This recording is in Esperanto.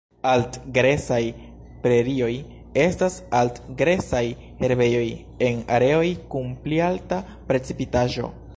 Alt-gresaj prerioj estas alt-gresaj herbejoj en areoj kun pli alta precipitaĵo.